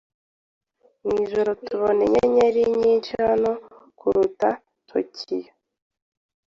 Mwijoro, tubona inyenyeri nyinshi hano kuruta Tokiyo.